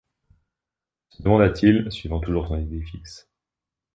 se demanda-t-il, suivant toujours son idée fixe.